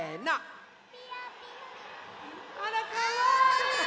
あらかわいい！